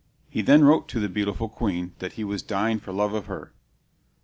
He then wrote to the beautiful queen that he was dying for love of her.